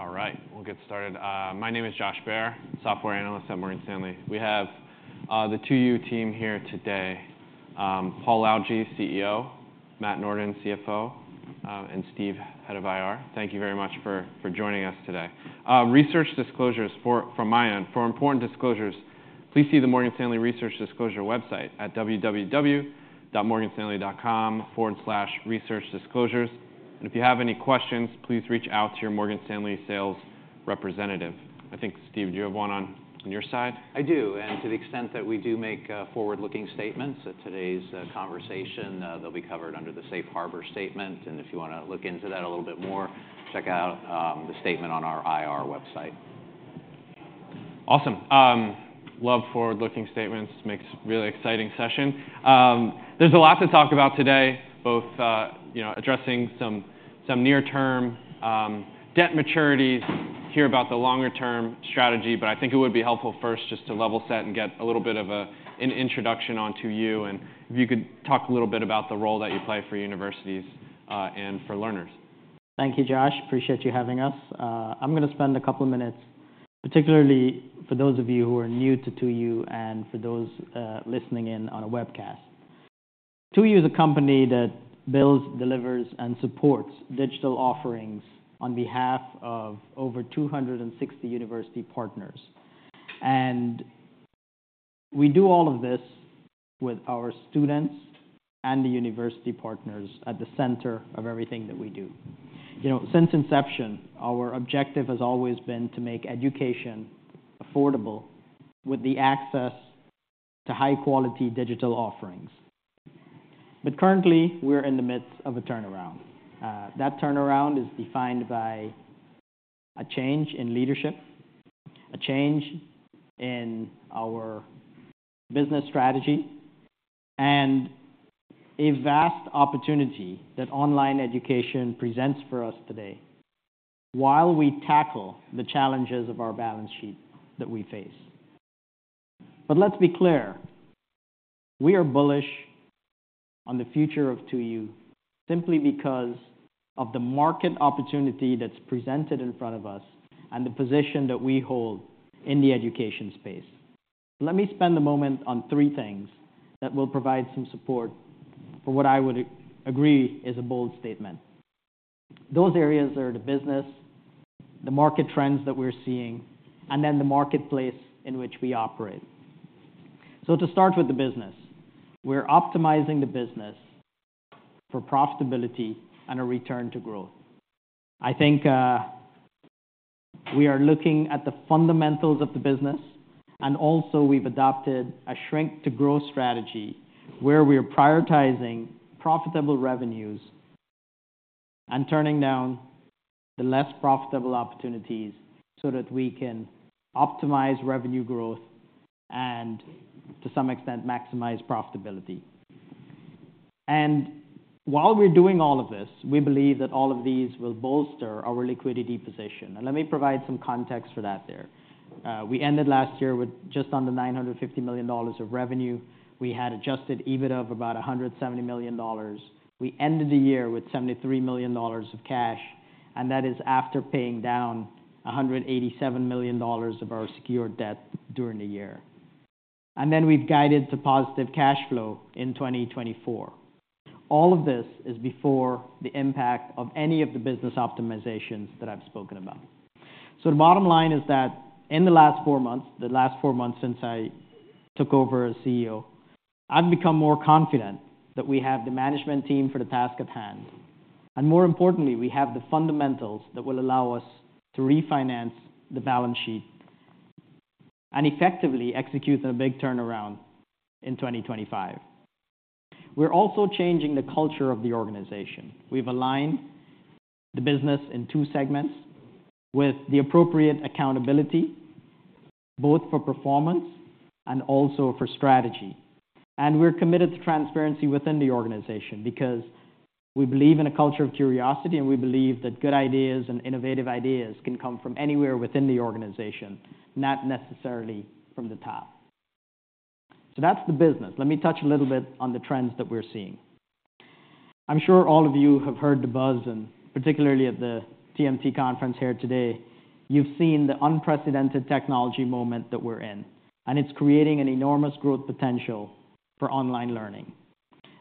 All right, we'll get started. My name is Josh Baer, Software Analyst at Morgan Stanley. We have the 2U team here today: Paul Lalljie, CEO; Matt Norden, CFO; and Steve, head of IR. Thank you very much for joining us today. Research disclosures, from my end, for important disclosures, please see the Morgan Stanley Research Disclosure website at www.morganstanley.com/researchdisclosures. And if you have any questions, please reach out to your Morgan Stanley sales representative. I think, Steve, do you have one on your side? I do. And to the extent that we do make forward-looking statements at today's conversation, they'll be covered under the Safe Harbor Statement. And if you want to look into that a little bit more, check out the statement on our IR website. Awesome. Love forward-looking statements. Makes a really exciting session. There's a lot to talk about today, both addressing some near-term debt maturities, hear about the longer-term strategy, but I think it would be helpful first just to level set and get a little bit of an introduction on 2U. If you could talk a little bit about the role that you play for universities and for learners. Thank you, Josh. Appreciate you having us. I'm going to spend a couple of minutes, particularly for those of you who are new to 2U and for those listening in on a webcast. 2U is a company that builds, delivers, and supports digital offerings on behalf of over 260 university partners. And we do all of this with our students and the university partners at the center of everything that we do. Since inception, our objective has always been to make education affordable with the access to high-quality digital offerings. But currently, we're in the midst of a turnaround. That turnaround is defined by a change in leadership, a change in our business strategy, and a vast opportunity that online education presents for us today while we tackle the challenges of our balance sheet that we face. But let's be clear. We are bullish on the future of 2U simply because of the market opportunity that's presented in front of us and the position that we hold in the education space. Let me spend a moment on three things that will provide some support for what I would agree is a bold statement. Those areas are the business, the market trends that we're seeing, and then the marketplace in which we operate. So to start with the business, we're optimizing the business for profitability and a return to growth. I think we are looking at the fundamentals of the business, and also we've adopted a shrink-to-growth strategy where we are prioritizing profitable revenues and turning down the less profitable opportunities so that we can optimize revenue growth and, to some extent, maximize profitability. And while we're doing all of this, we believe that all of these will bolster our liquidity position. Let me provide some context for that there. We ended last year with just under $950 million of revenue. We had Adjusted EBITDA of about $170 million. We ended the year with $73 million of cash, and that is after paying down $187 million of our secured debt during the year. We've guided to positive cash flow in 2024. All of this is before the impact of any of the business optimizations that I've spoken about. So the bottom line is that in the last four months, the last four months since I took over as CEO, I've become more confident that we have the management team for the task at hand. More importantly, we have the fundamentals that will allow us to refinance the balance sheet and effectively execute on a big turnaround in 2025. We're also changing the culture of the organization. We've aligned the business in two segments with the appropriate accountability, both for performance and also for strategy. We're committed to transparency within the organization because we believe in a culture of curiosity, and we believe that good ideas and innovative ideas can come from anywhere within the organization, not necessarily from the top. That's the business. Let me touch a little bit on the trends that we're seeing. I'm sure all of you have heard the buzz, and particularly at the TMT conference here today, you've seen the unprecedented technology moment that we're in. It's creating an enormous growth potential for online learning.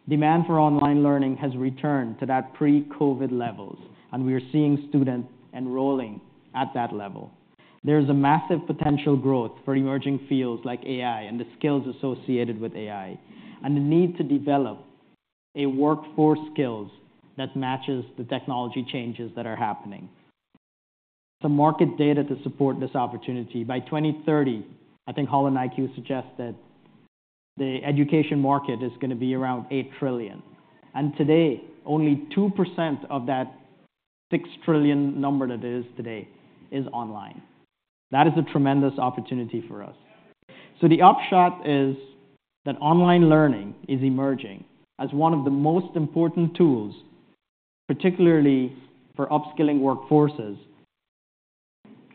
Demand for online learning has returned to that pre-COVID levels, and we are seeing students enrolling at that level. There is a massive potential growth for emerging fields like AI and the skills associated with AI, and the need to develop workforce skills that matches the technology changes that are happening. Some market data to support this opportunity: by 2030, I think HolonIQ suggest that the education market is going to be around $8 trillion. Today, only 2% of that $6 trillion number that it is today is online. That is a tremendous opportunity for us. The upshot is that online learning is emerging as one of the most important tools, particularly for upskilling workforces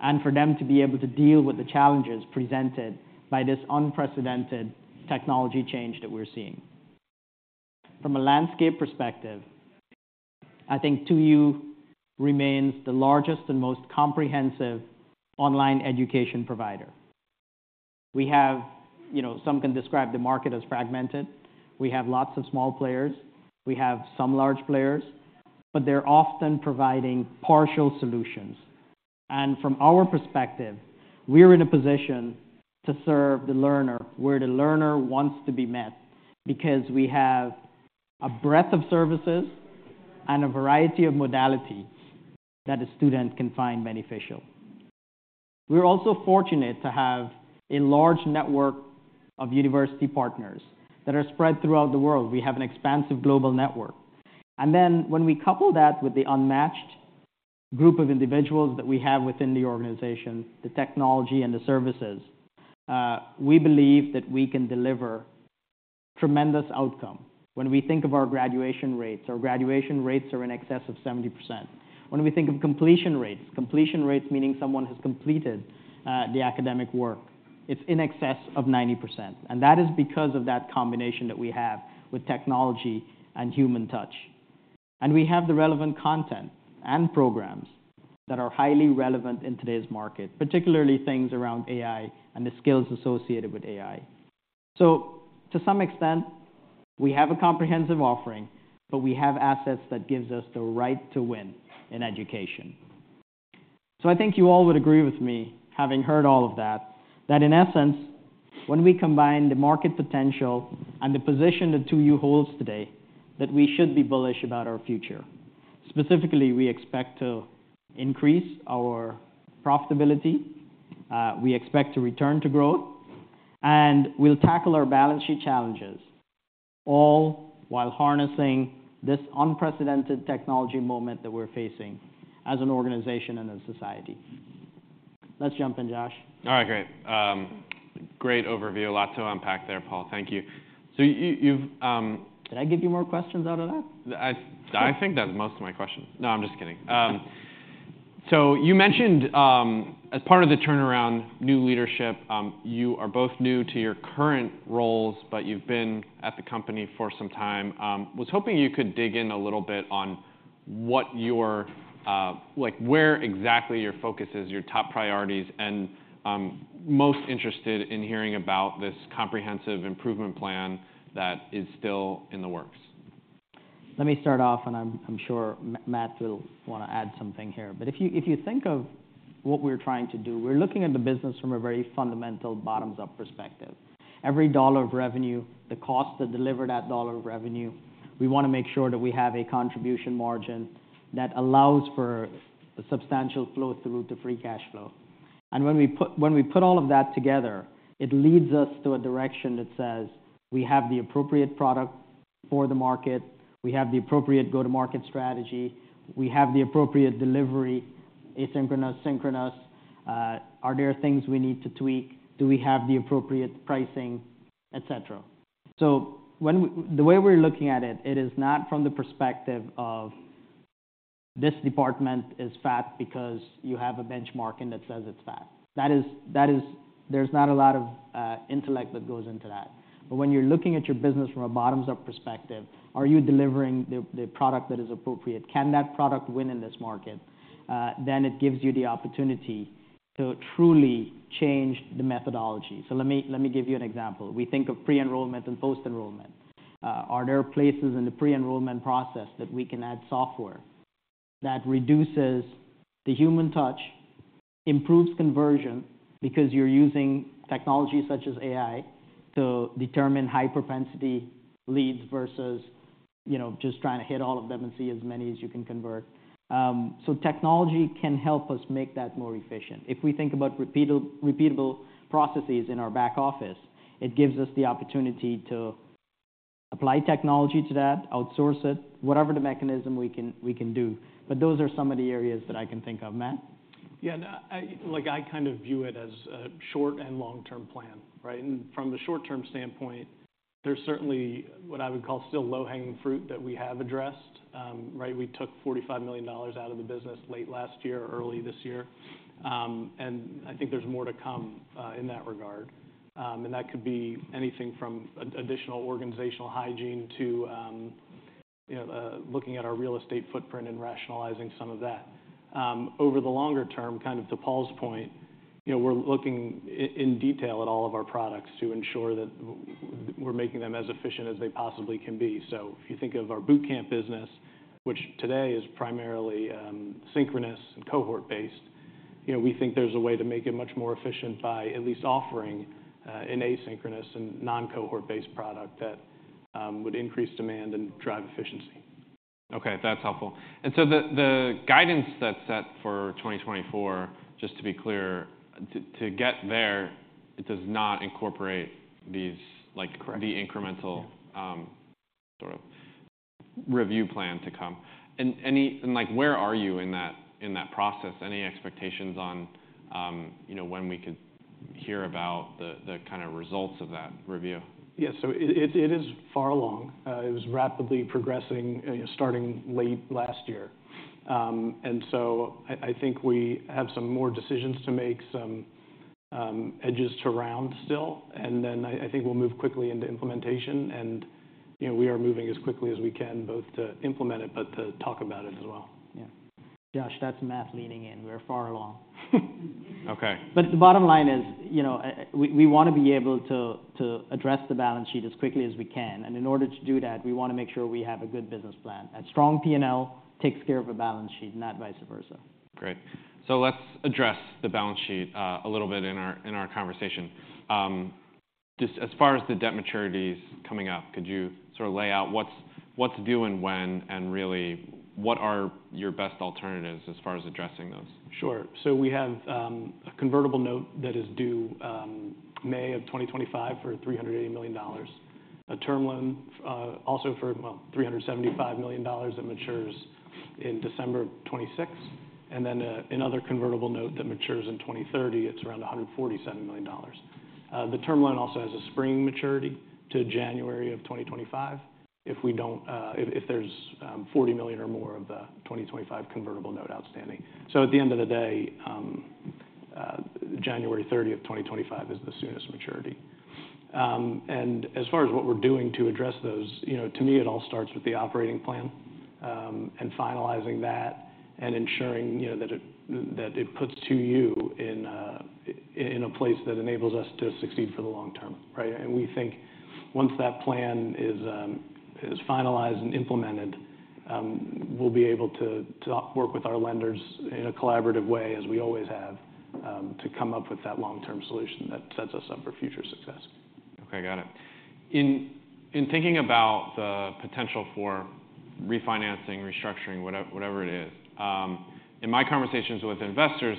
and for them to be able to deal with the challenges presented by this unprecedented technology change that we're seeing. From a landscape perspective, I think 2U remains the largest and most comprehensive online education provider. Some can describe the market as fragmented. We have lots of small players. We have some large players. But they're often providing partial solutions. And from our perspective, we're in a position to serve the learner where the learner wants to be met because we have a breadth of services and a variety of modalities that a student can find beneficial. We're also fortunate to have a large network of university partners that are spread throughout the world. We have an expansive global network. And then when we couple that with the unmatched group of individuals that we have within the organization, the technology and the services, we believe that we can deliver tremendous outcomes. When we think of our graduation rates, our graduation rates are in excess of 70%. When we think of completion rates, completion rates meaning someone has completed the academic work, it's in excess of 90%. That is because of that combination that we have with technology and human touch. We have the relevant content and programs that are highly relevant in today's market, particularly things around AI and the skills associated with AI. So to some extent, we have a comprehensive offering, but we have assets that give us the right to win in education. So I think you all would agree with me, having heard all of that, that in essence, when we combine the market potential and the position that 2U holds today, that we should be bullish about our future. Specifically, we expect to increase our profitability. We expect to return to growth. And we'll tackle our balance sheet challenges, all while harnessing this unprecedented technology moment that we're facing as an organization and as a society. Let's jump in, Josh. All right, great. Great overview. A lot to unpack there, Paul. Thank you. So you've. Did I give you more questions out of that? I think that's most of my questions. No, I'm just kidding. So you mentioned, as part of the turnaround, new leadership. You are both new to your current roles, but you've been at the company for some time. Was hoping you could dig in a little bit on where exactly your focus is, your top priorities, and most interested in hearing about this comprehensive improvement plan that is still in the works. Let me start off, and I'm sure Matt will want to add something here. But if you think of what we're trying to do, we're looking at the business from a very fundamental bottom-up perspective. Every dollar of revenue, the costs that deliver that dollar of revenue, we want to make sure that we have a contribution margin that allows for substantial flow through to free cash flow. And when we put all of that together, it leads us to a direction that says, we have the appropriate product for the market. We have the appropriate go-to-market strategy. We have the appropriate delivery, asynchronous, synchronous. Are there things we need to tweak? Do we have the appropriate pricing, et cetera? So the way we're looking at it, it is not from the perspective of, this department is fat because you have a benchmarking that says it's fat. There's not a lot of intellect that goes into that. But when you're looking at your business from a bottoms-up perspective, are you delivering the product that is appropriate? Can that product win in this market? Then it gives you the opportunity to truly change the methodology. So let me give you an example. We think of pre-enrollment and post-enrollment. Are there places in the pre-enrollment process that we can add software that reduces the human touch, improves conversion because you're using technology such as AI to determine high-propensity leads versus just trying to hit all of them and see as many as you can convert? So technology can help us make that more efficient. If we think about repeatable processes in our back office, it gives us the opportunity to apply technology to that, outsource it, whatever the mechanism we can do. Those are some of the areas that I can think of, Matt. Yeah. I kind of view it as a short- and long-term plan. From the short-term standpoint, there's certainly what I would call still low-hanging fruit that we have addressed. We took $45 million out of the business late last year, early this year. I think there's more to come in that regard. That could be anything from additional organizational hygiene to looking at our real estate footprint and rationalizing some of that. Over the longer term, kind of to Paul's point, we're looking in detail at all of our products to ensure that we're making them as efficient as they possibly can be. So if you think of our boot camp business, which today is primarily synchronous and cohort-based, we think there's a way to make it much more efficient by at least offering an asynchronous and non-cohort-based product that would increase demand and drive efficiency. OK, that's helpful. And so the guidance that's set for 2024, just to be clear, to get there, it does not incorporate the incremental revenue plan to come. And where are you in that process? Any expectations on when we could hear about the kind of results of that review? Yeah, so it is far along. It was rapidly progressing, starting late last year. And so I think we have some more decisions to make, some edges to round still. And then I think we'll move quickly into implementation. And we are moving as quickly as we can, both to implement it but to talk about it as well. Yeah. Josh, that's Matt leaning in. We're far along. But the bottom line is, we want to be able to address the balance sheet as quickly as we can. And in order to do that, we want to make sure we have a good business plan. A strong P&L takes care of a balance sheet, not vice versa. Great. So let's address the balance sheet a little bit in our conversation. Just as far as the debt maturities coming up, could you sort of lay out what's due and when, and really, what are your best alternatives as far as addressing those? Sure. So we have a convertible note that is due May 2025 for $380 million, a term loan also for $375 million that matures in December 2026, and then another convertible note that matures in 2030. It's around $147 million. The term loan also has a spring maturity to January 2025 if there's $40 million or more of the 2025 convertible note outstanding. So at the end of the day, January 30, 2025 is the soonest maturity. And as far as what we're doing to address those, to me, it all starts with the operating plan and finalizing that and ensuring that it puts 2U in a place that enables us to succeed for the long term. We think once that plan is finalized and implemented, we'll be able to work with our lenders in a collaborative way, as we always have, to come up with that long-term solution that sets us up for future success. OK, got it. In thinking about the potential for refinancing, restructuring, whatever it is, in my conversations with investors,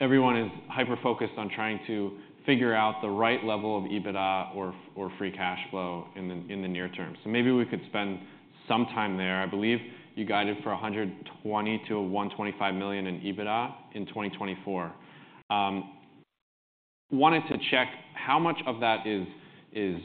everyone is hyper-focused on trying to figure out the right level of EBITDA or free cash flow in the near term. Maybe we could spend some time there. I believe you guided for $120 million-$125 million in EBITDA in 2024. I wanted to check how much of that is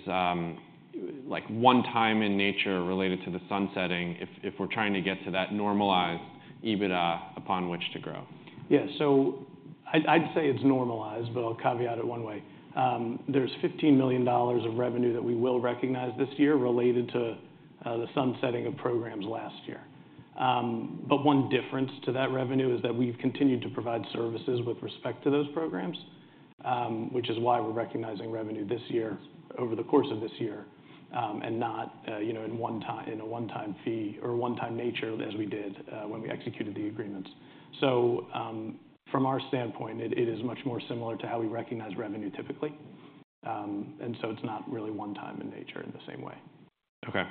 one-time in nature related to the sunsetting if we're trying to get to that normalized EBITDA upon which to grow. Yeah, so I'd say it's normalized, but I'll caveat it one way. There's $15 million of revenue that we will recognize this year related to the sunsetting of programs last year. But one difference to that revenue is that we've continued to provide services with respect to those programs, which is why we're recognizing revenue over the course of this year and not in a one-time fee or one-time nature as we did when we executed the agreements. So from our standpoint, it is much more similar to how we recognize revenue typically. And so it's not really one-time in nature in the same way. OK.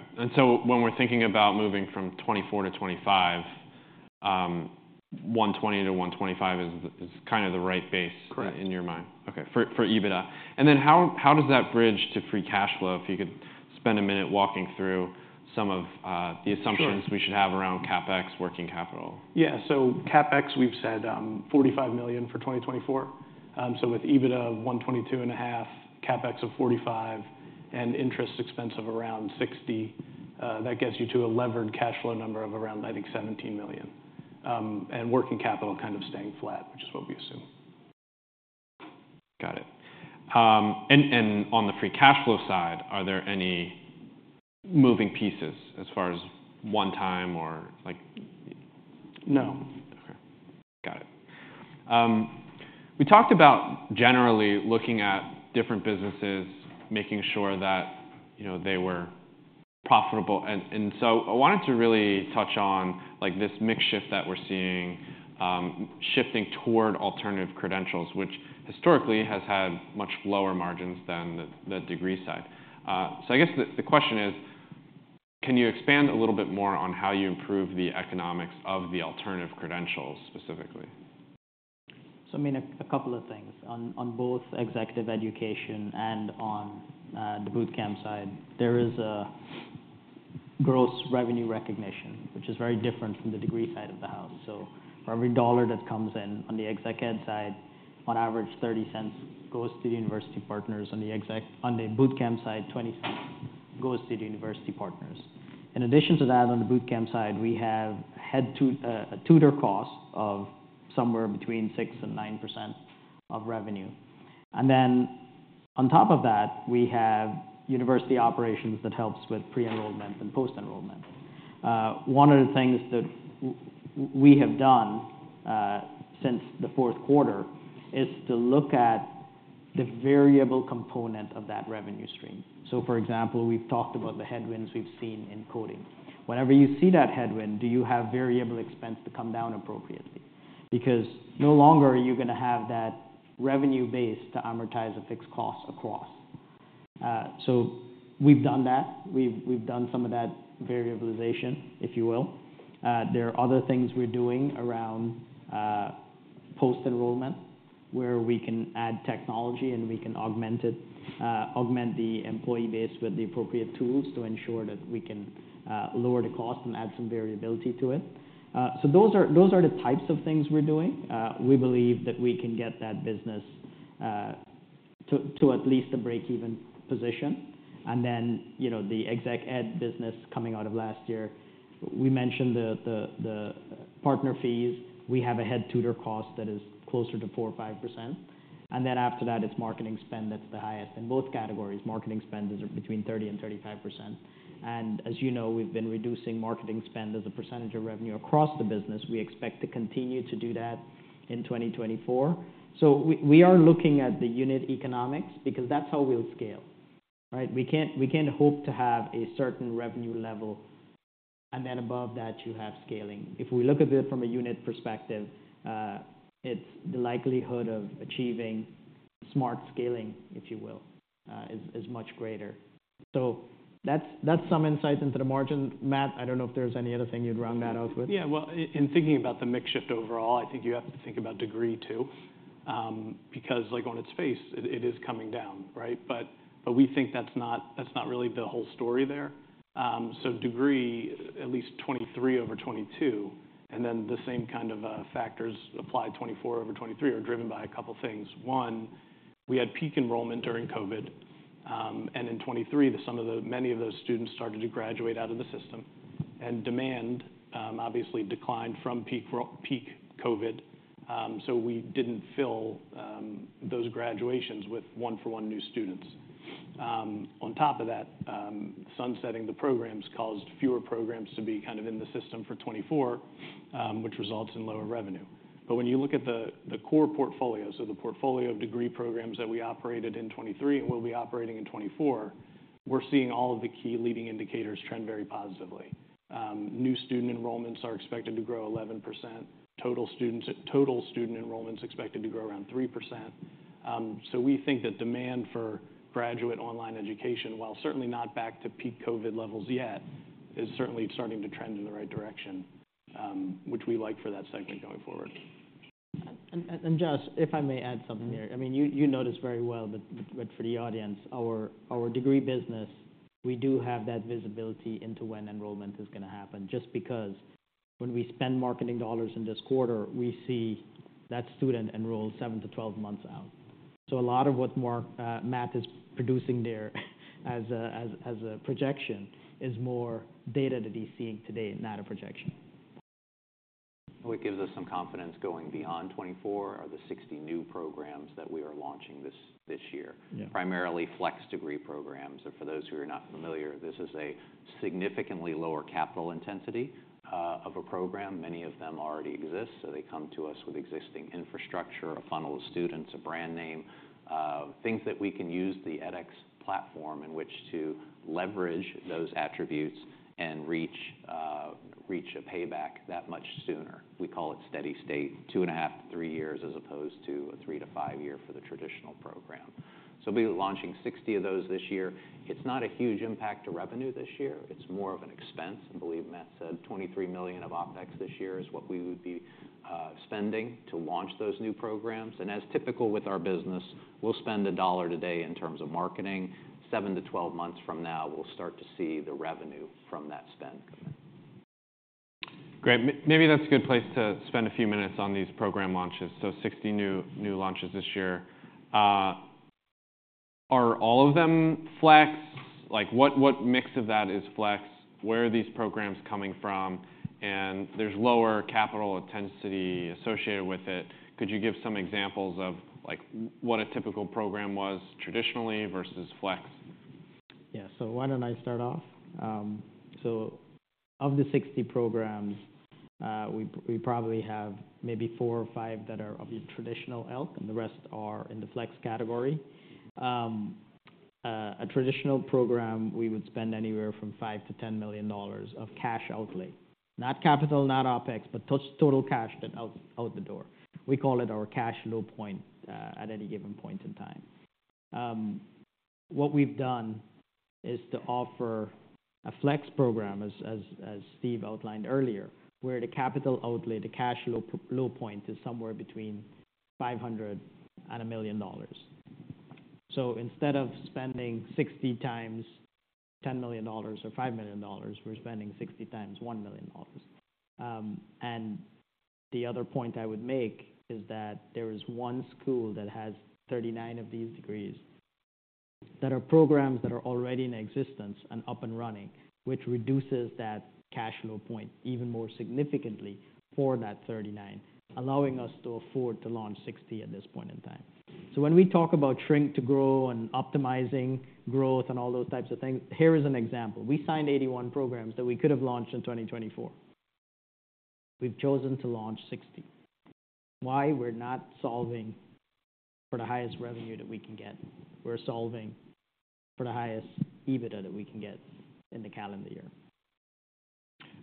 When we're thinking about moving from 2024 to 2025, $120 million-$125 million is kind of the right base in your mind. Correct. OK, for EBITDA. And then how does that bridge to free cash flow if you could spend a minute walking through some of the assumptions we should have around CapEx, working capital? Yeah, so CapEx, we've said $45 million for 2024. So with EBITDA of $122.50, CapEx of $45 million, and interest expense of around $60 million, that gets you to a levered cash flow number of around, I think, $17 million, and working capital kind of staying flat, which is what we assume. Got it. On the free cash flow side, are there any moving pieces as far as one-time or? No. OK, got it. We talked about generally looking at different businesses, making sure that they were profitable. And so I wanted to really touch on this mix shift that we're seeing, shifting toward alternative credentials, which historically has had much lower margins than the degree side. So I guess the question is, can you expand a little bit more on how you improve the economics of the alternative credentials specifically? So I mean, a couple of things. On both executive education and on the boot camp side, there is a gross revenue recognition, which is very different from the degree side of the house. So for every dollar that comes in on the exec ed side, on average, $0.30 goes to the university partners. On the boot camp side, $0.20 goes to the university partners. In addition to that, on the boot camp side, we have a tutor cost of somewhere between 6%-9% of revenue. And then on top of that, we have university operations that helps with pre-enrollment and post-enrollment. One of the things that we have done since the fourth quarter is to look at the variable component of that revenue stream. So for example, we've talked about the headwinds we've seen in coding. Whenever you see that headwind, do you have variable expense to come down appropriately? Because no longer are you going to have that revenue base to amortize a fixed cost across. We've done that. We've done some of that variabilization, if you will. There are other things we're doing around post-enrollment where we can add technology and we can augment the employee base with the appropriate tools to ensure that we can lower the cost and add some variability to it. Those are the types of things we're doing. We believe that we can get that business to at least a break-even position. And then the Exec Ed business coming out of last year, we mentioned the partner fees. We have a head tutor cost that is closer to 4% or 5%. And then after that, it's marketing spend that's the highest. In both categories, marketing spend is between 30%-35%. As you know, we've been reducing marketing spend as a percentage of revenue across the business. We expect to continue to do that in 2024. We are looking at the unit economics because that's how we'll scale. We can't hope to have a certain revenue level, and then above that, you have scaling. If we look at it from a unit perspective, the likelihood of achieving smart scaling, if you will, is much greater. That's some insight into the margin. Matt, I don't know if there's any other thing you'd round that out with. Yeah, well, in thinking about the mix shift overall, I think you have to think about degree too because on its face, it is coming down. But we think that's not really the whole story there. So degree, at least 2023 over 2022, and then the same kind of factors apply 2024 over 2023 are driven by a couple of things. One, we had peak enrollment during COVID. And in 2023, many of those students started to graduate out of the system. And demand obviously declined from peak COVID. So we didn't fill those graduations with one-for-one new students. On top of that, sunsetting the programs caused fewer programs to be kind of in the system for 2024, which results in lower revenue. But when you look at the core portfolio, so the portfolio of degree programs that we operated in 2023 and will be operating in 2024, we're seeing all of the key leading indicators trend very positively. New student enrollments are expected to grow 11%. Total student enrollments are expected to grow around 3%. So we think that demand for graduate online education, while certainly not back to peak COVID levels yet, is certainly starting to trend in the right direction, which we like for that segment going forward. Josh, if I may add something here. I mean, you notice very well, but for the audience, our degree business, we do have that visibility into when enrollment is going to happen. Just because when we spend marketing dollars in this quarter, we see that student enrolled seven to 12 months out. So a lot of what Matt is producing there as a projection is more data that he's seeing today and not a projection. What gives us some confidence going beyond 2024 are the 60 new programs that we are launching this year, primarily flex degree programs. For those who are not familiar, this is a significantly lower capital intensity of a program. Many of them already exist. They come to us with existing infrastructure, a funnel of students, a brand name, things that we can use the edX platform in which to leverage those attributes and reach a payback that much sooner. We call it steady state, 2.5-3 years as opposed to a three to five-year for the traditional program. We'll be launching 60 of those this year. It's not a huge impact to revenue this year. It's more of an expense. I believe Matt said $23 million of OpEx this year is what we would be spending to launch those new programs. And as typical with our business, we'll spend $1 today in terms of marketing. Seven to ``12 months from now, we'll start to see the revenue from that spend come in. Great. Maybe that's a good place to spend a few minutes on these program launches. 60 new launches this year. Are all of them flex? What mix of that is flex? Where are these programs coming from? And there's lower capital intensity associated with it. Could you give some examples of what a typical program was traditionally versus flex? Yeah, so why don't I start off? So of the 60 programs, we probably have maybe four or five that are of your traditional ilk, and the rest are in the flex category. A traditional program, we would spend anywhere from $5 million-$10 million of cash outlay, not capital, not OpEx, but total cash that's out the door. We call it our cash low point at any given point in time. What we've done is to offer a flex program, as Steve outlined earlier, where the capital outlay, the cash low point, is somewhere between $500 million-$1 million. So instead of spending 60 times $10 million or $5 million, we're spending 60 times $1 million. The other point I would make is that there is one school that has 39 of these degrees that are programs that are already in existence and up and running, which reduces that cash low point even more significantly for that 39, allowing us to afford to launch 60 at this point in time. When we talk about shrink to grow and optimizing growth and all those types of things, here is an example. We signed 81 programs that we could have launched in 2024. We've chosen to launch 60. Why? We're not solving for the highest revenue that we can get. We're solving for the highest EBITDA that we can get in the calendar year.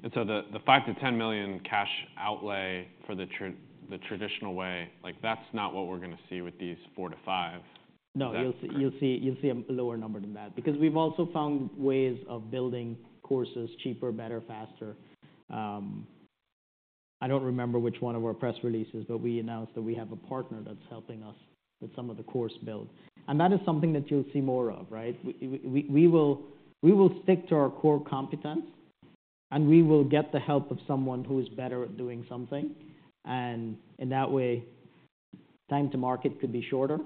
The $5 million-$10 million cash outlay for the traditional way, that's not what we're going to see with these 4-5? No, you'll see a lower number than that because we've also found ways of building courses cheaper, better, faster. I don't remember which one of our press releases, but we announced that we have a partner that's helping us with some of the course build. And that is something that you'll see more of. We will stick to our core competence, and we will get the help of someone who is better at doing something. And in that way, time to market could be shorter.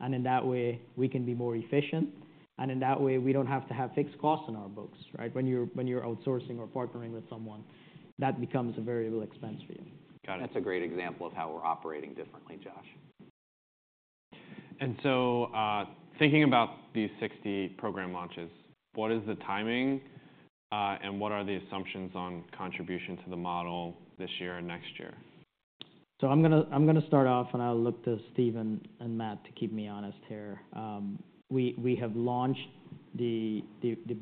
And in that way, we can be more efficient. And in that way, we don't have to have fixed costs in our books. When you're outsourcing or partnering with someone, that becomes a variable expense for you. Got it. That's a great example of how we're operating differently, Josh. And so thinking about these 60 program launches, what is the timing? And what are the assumptions on contribution to the model this year and next year? So I'm going to start off, and I'll look to Steve and Matt to keep me honest here. We have launched the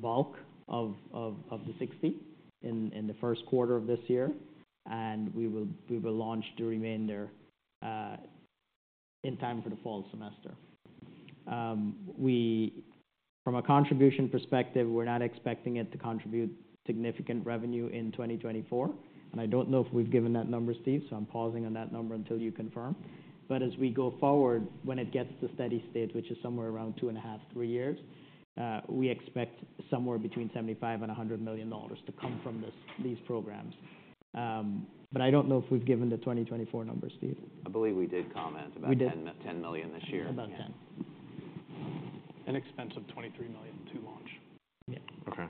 bulk of the 60 in the first quarter of this year. And we will launch the remainder in time for the fall semester. From a contribution perspective, we're not expecting it to contribute significant revenue in 2024. And I don't know if we've given that number, Steve, so I'm pausing on that number until you confirm. But as we go forward, when it gets to steady state, which is somewhere around 2.5-3 years, we expect somewhere between $75 million-$100 million to come from these programs. But I don't know if we've given the 2024 number, Steve. I believe we did comment about $10 million this year. About $10 million. Expense of $23 million to launch.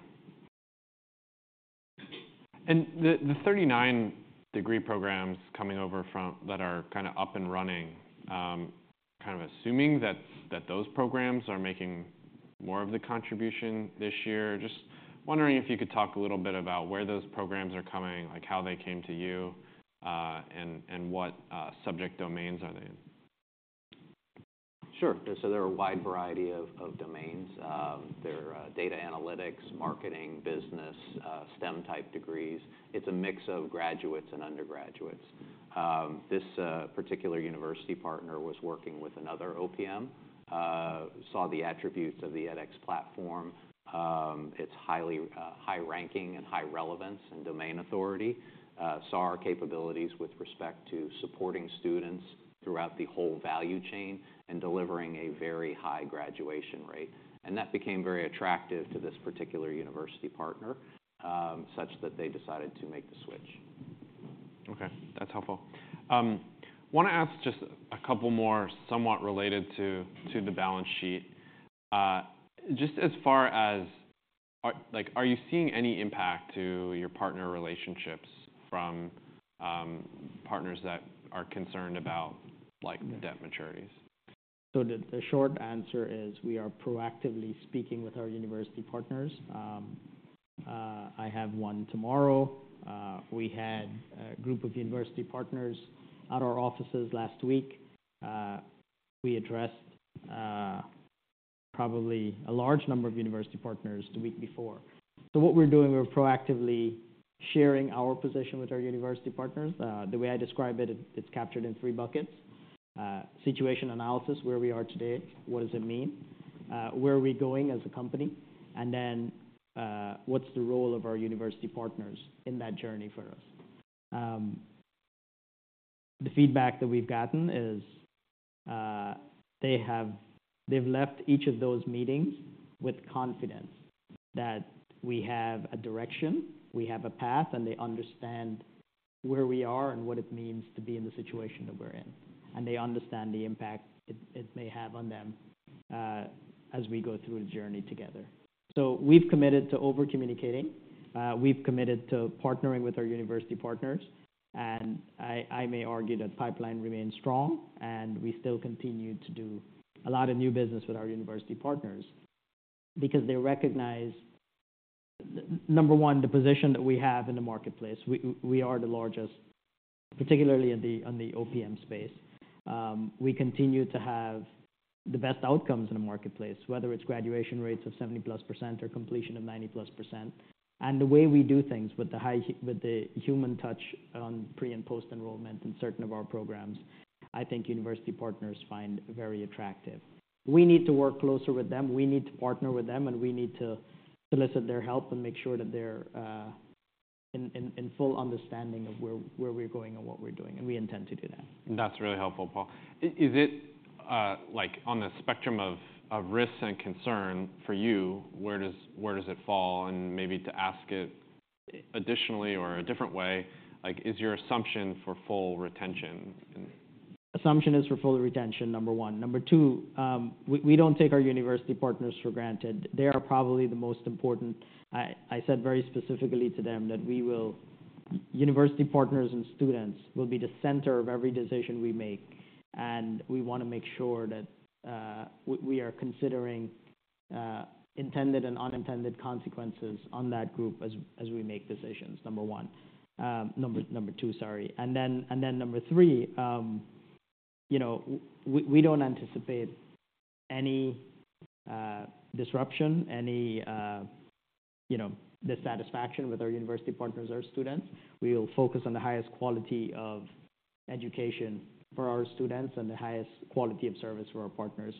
Yeah. OK. The 39 degree programs coming over that are kind of up and running, kind of assuming that those programs are making more of the contribution this year, just wondering if you could talk a little bit about where those programs are coming, how they came to you, and what subject domains are they in? Sure. So there are a wide variety of domains. There are data analytics, marketing, business, STEM-type degrees. It's a mix of graduates and undergraduates. This particular university partner was working with another OPM, saw the attributes of the edX platform, its high ranking and high relevance and domain authority, saw our capabilities with respect to supporting students throughout the whole value chain and delivering a very high graduation rate. And that became very attractive to this particular university partner, such that they decided to make the switch. OK, that's helpful. I want to ask just a couple more somewhat related to the balance sheet. Just as far as, are you seeing any impact to your partner relationships from partners that are concerned about debt maturities? So the short answer is we are proactively speaking with our university partners. I have one tomorrow. We had a group of university partners at our offices last week. We addressed probably a large number of university partners the week before. So what we're doing, we're proactively sharing our position with our university partners. The way I describe it, it's captured in three buckets: situation analysis, where we are today, what does it mean, where are we going as a company, and then what's the role of our university partners in that journey for us. The feedback that we've gotten is they've left each of those meetings with confidence that we have a direction, we have a path, and they understand where we are and what it means to be in the situation that we're in. And they understand the impact it may have on them as we go through the journey together. So we've committed to overcommunicating. We've committed to partnering with our university partners. And I may argue that pipeline remains strong, and we still continue to do a lot of new business with our university partners because they recognize, number one, the position that we have in the marketplace. We are the largest, particularly in the OPM space. We continue to have the best outcomes in the marketplace, whether it's graduation rates of 70% plus or completion of 90% plus. And the way we do things with the human touch on pre and post-enrollment in certain of our programs, I think university partners find very attractive. We need to work closer with them. We need to partner with them, and we need to solicit their help and make sure that they're in full understanding of where we're going and what we're doing. We intend to do that. That's really helpful, Paul. On the spectrum of risks and concern for you, where does it fall? Maybe to ask it additionally or a different way, is your assumption for full retention? Assumption is for full retention, number one. Number two, we don't take our university partners for granted. They are probably the most important. I said very specifically to them that university partners and students will be the center of every decision we make. And we want to make sure that we are considering intended and unintended consequences on that group as we make decisions, number one. Number two, sorry. And then number three, we don't anticipate any disruption, any dissatisfaction with our university partners or students. We will focus on the highest quality of education for our students and the highest quality of service for our partners.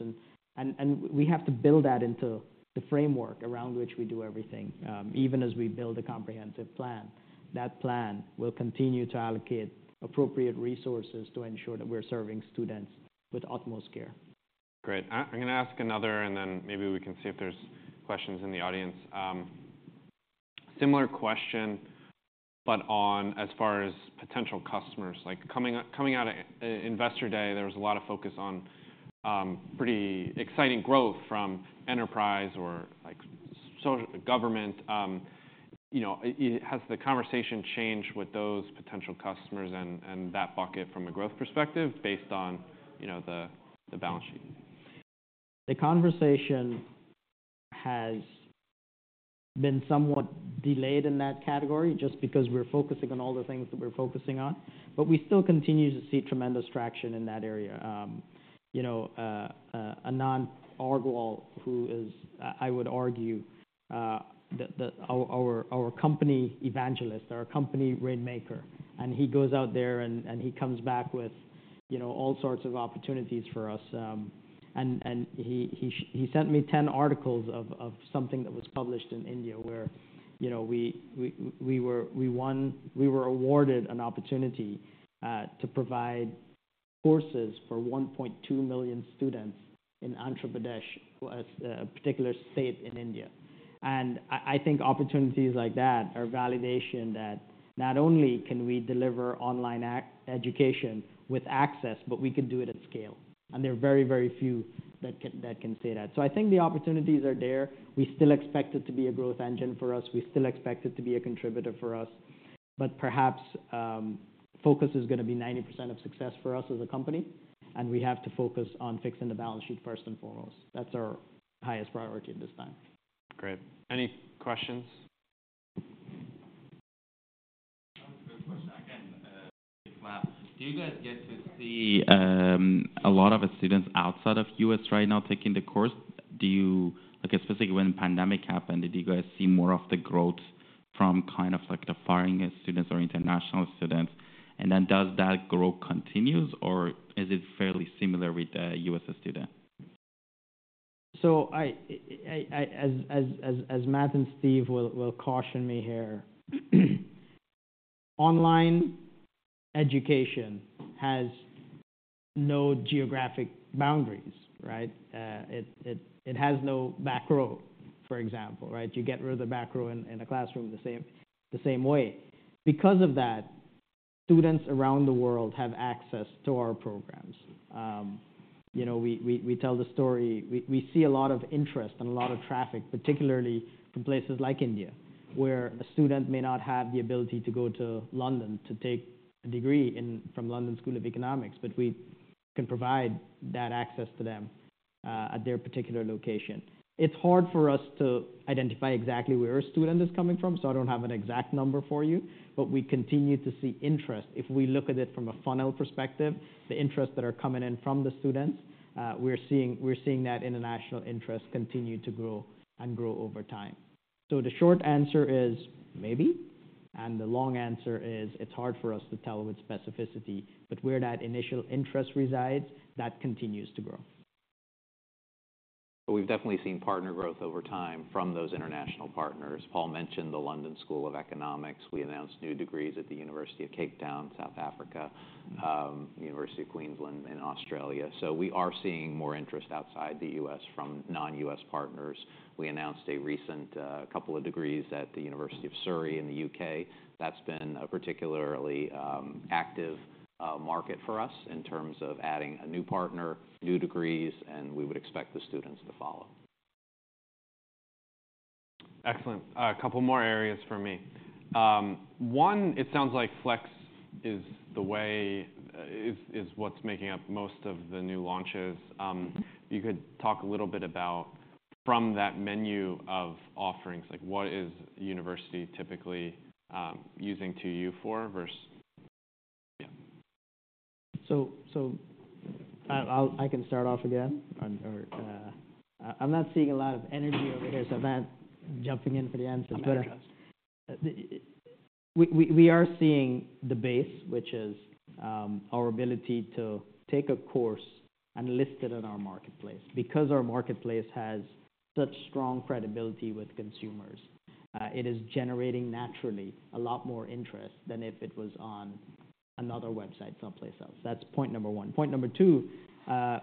And we have to build that into the framework around which we do everything, even as we build a comprehensive plan. That plan will continue to allocate appropriate resources to ensure that we're serving students with utmost care. Great. I'm going to ask another, and then maybe we can see if there's questions in the audience. Similar question, but as far as potential customers. Coming out of Investor Day, there was a lot of focus on pretty exciting growth from enterprise or government. Has the conversation changed with those potential customers and that bucket from a growth perspective based on the balance sheet? The conversation has been somewhat delayed in that category just because we're focusing on all the things that we're focusing on. But we still continue to see tremendous traction in that area. Anant Agarwal, who is, I would argue, our company evangelist, our company rainmaker. And he goes out there, and he comes back with all sorts of opportunities for us. And he sent me 10 articles of something that was published in India where we were awarded an opportunity to provide courses for 1.2 million students in Andhra Pradesh, a particular state in India. And I think opportunities like that are validation that not only can we deliver online education with access, but we could do it at scale. And there are very, very few that can say that. So I think the opportunities are there. We still expect it to be a growth engine for us. We still expect it to be a contributor for us. Perhaps focus is going to be 90% of success for us as a company. We have to focus on fixing the balance sheet first and foremost. That's our highest priority at this time. Great. Any questions? I have a question again. Do you guys get to see a lot of students outside of the U.S. right now taking the course? Specifically, when the pandemic happened, did you guys see more of the growth from kind of foreign students or international students? And then does that growth continue, or is it fairly similar with the U.S. students? So as Matt and Steve will caution me here, online education has no geographic boundaries. It has no back row, for example. You get rid of the back row in a classroom the same way. Because of that, students around the world have access to our programs. We tell the story. We see a lot of interest and a lot of traffic, particularly from places like India where a student may not have the ability to go to London to take a degree from London School of Economics, but we can provide that access to them at their particular location. It's hard for us to identify exactly where a student is coming from, so I don't have an exact number for you. But we continue to see interest. If we look at it from a funnel perspective, the interests that are coming in from the students, we're seeing that international interest continue to grow and grow over time. The short answer is maybe. The long answer is it's hard for us to tell with specificity. Where that initial interest resides, that continues to grow. We've definitely seen partner growth over time from those international partners. Paul mentioned the London School of Economics. We announced new degrees at the University of Cape Town, South Africa, University of Queensland, and Australia. So we are seeing more interest outside the U.S. from non-U.S. partners. We announced a recent couple of degrees at the University of Surrey in the U.K. That's been a particularly active market for us in terms of adding a new partner, new degrees, and we would expect the students to follow. Excellent. A couple more areas for me. One, it sounds like Flex is what's making up most of the new launches. You could talk a little bit about, from that menu of offerings, what is the university typically using 2U for versus yeah. So I can start off again. I'm not seeing a lot of energy over here, so Matt, jumping in for the answers. We are seeing the base, which is our ability to take a course and list it on our marketplace. Because our marketplace has such strong credibility with consumers, it is generating naturally a lot more interest than if it was on another website someplace else. That's point number one. Point number two,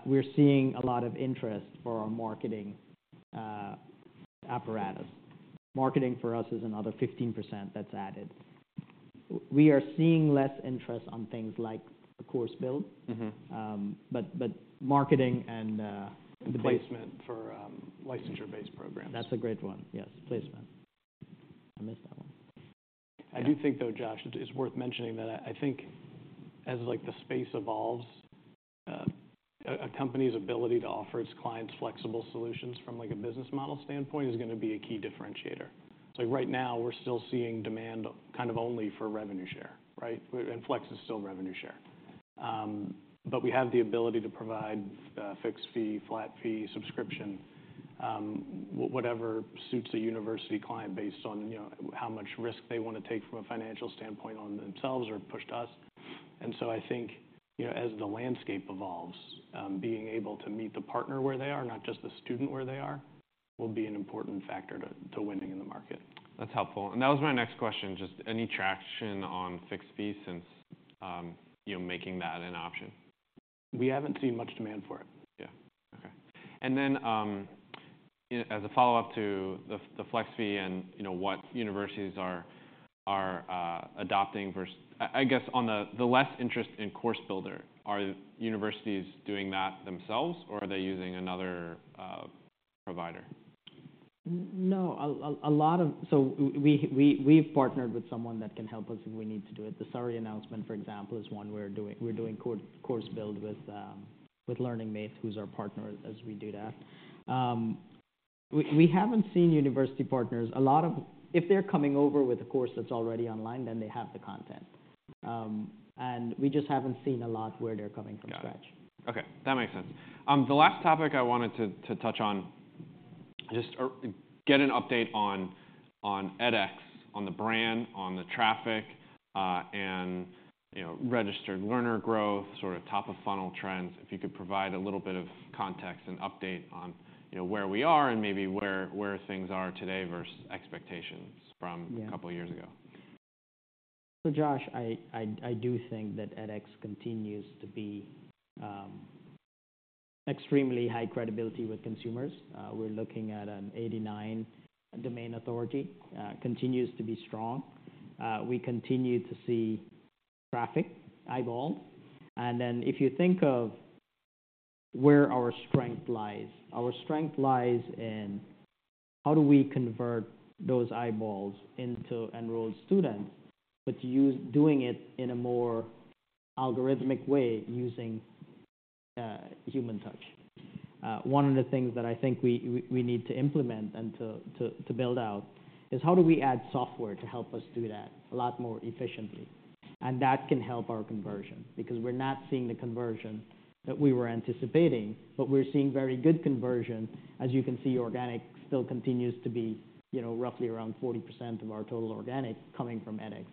we're seeing a lot of interest for our marketing apparatus. Marketing for us is another 15% that's added. We are seeing less interest on things like a course build. But marketing and the. Placement for licensure-based programs. That's a great one, yes. Placement. I missed that one. I do think, though, Josh, it's worth mentioning that I think as the space evolves, a company's ability to offer its clients flexible solutions from a business model standpoint is going to be a key differentiator. So right now, we're still seeing demand kind of only for revenue share. And Flex is still revenue share. But we have the ability to provide fixed fee, flat fee, subscription, whatever suits a university client based on how much risk they want to take from a financial standpoint on themselves or push to us. And so I think as the landscape evolves, being able to meet the partner where they are, not just the student where they are, will be an important factor to winning in the market. That's helpful. And that was my next question. Just any traction on fixed fee since making that an option? We haven't seen much demand for it. Yeah, OK. And then as a follow-up to the flex fee and what universities are adopting versus I guess on the less interest in course builder, are universities doing that themselves, or are they using another provider? No. So we've partnered with someone that can help us if we need to do it. The Surrey announcement, for example, is one we're doing. We're doing course build with LearningMate, who's our partner, as we do that. We haven't seen university partners. If they're coming over with a course that's already online, then they have the content. And we just haven't seen a lot where they're coming from scratch. OK, that makes sense. The last topic I wanted to touch on, just get an update on edX, on the brand, on the traffic, and registered learner growth, sort of top-of-funnel trends. If you could provide a little bit of context and update on where we are and maybe where things are today versus expectations from a couple of years ago. So Josh, I do think that edX continues to be extremely high credibility with consumers. We're looking at an 89 domain authority. Continues to be strong. We continue to see traffic eyeballed. And then if you think of where our strength lies, our strength lies in how do we convert those eyeballs into enrolled students but doing it in a more algorithmic way using human touch. One of the things that I think we need to implement and to build out is how do we add software to help us do that a lot more efficiently. And that can help our conversion because we're not seeing the conversion that we were anticipating, but we're seeing very good conversion. As you can see, organic still continues to be roughly around 40% of our total organic coming from edX.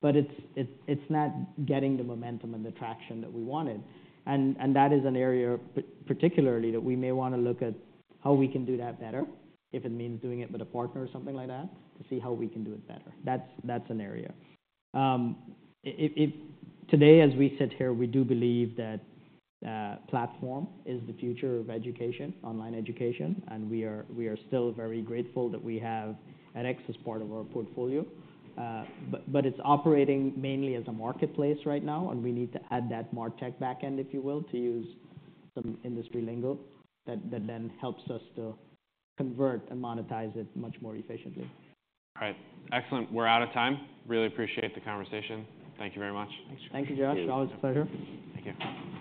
But it's not getting the momentum and the traction that we wanted. And that is an area particularly that we may want to look at how we can do that better if it means doing it with a partner or something like that to see how we can do it better. That's an area. Today, as we sit here, we do believe that platform is the future of education, online education. And we are still very grateful that we have edX as part of our portfolio. But it's operating mainly as a marketplace right now, and we need to add that martech back end, if you will, to use some industry lingo that then helps us to convert and monetize it much more efficiently. All right. Excellent. We're out of time. Really appreciate the conversation. Thank you very much. Thank you, Josh. Always a pleasure. Thank you.